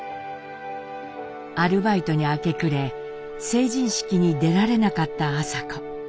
アルバイトに明け暮れ成人式に出られなかった麻子。